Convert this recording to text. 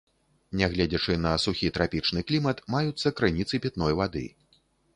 Нягледзячы на сухі трапічны клімат, маюцца крыніцы пітной вады.